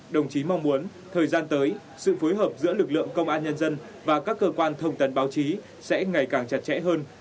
đồng chí mong muốn thời gian tới sự phối hợp giữa lực lượng công an nhân dân và các cơ quan thông tấn báo chí sẽ ngày càng chặt chẽ hơn